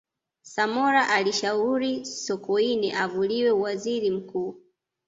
samora alishauri sokoine avuliwe uwaziri mkuu